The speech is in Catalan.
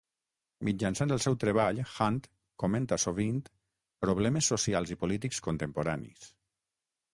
Mitjançant el seu treball Hunt comenta sovint problemes socials i polítics contemporanis.